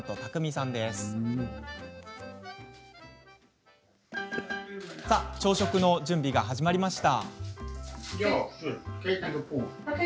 さあ、朝食の準備が始まりました。